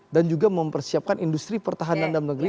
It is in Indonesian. dan juga mempersiapkan industri pertahanan dalam negeri